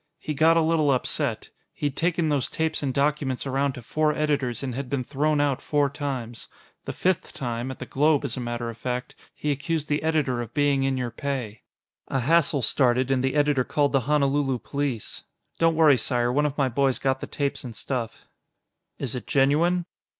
"He got a little upset. He'd taken those tapes and documents around to four editors and had been thrown out four times. The fifth time at the Globe, as a matter of fact he accused the editor of being in your pay. A hassle started, and the editor called the Honolulu police. Don't worry, Sire; one of my boys got the tapes and stuff." "Is it genuine?"